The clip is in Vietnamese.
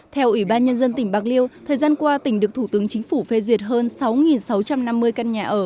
theo ủy ban nhân dân tỉnh bạc liêu thời gian qua tỉnh được thủ tướng chính phủ phê duyệt hơn sáu sáu trăm năm mươi căn nhà ở